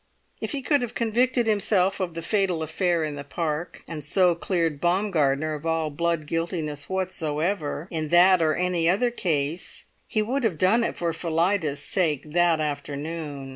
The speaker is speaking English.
If he could have convicted himself of the fatal affair in the Park, and so cleared Baumgartner of all blood guiltiness whatsoever, in that or any other case, he would have done it for Phillida's sake that afternoon.